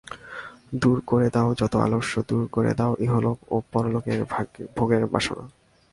দূর করে দাও যত আলস্য, দূর করে দাও ইহলোক ও পরলোকে ভোগের বাসনা।